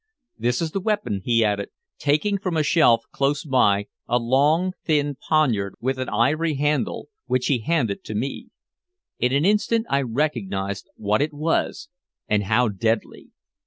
"This is the weapon," he added, taking from a shelf close by a long, thin poignard with an ivory handle, which he handed to me. In an instant I recognized what it was, and how deadly.